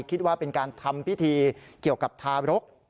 คิดว่าเป็นการทำพิธีเกี่ยวกับทารก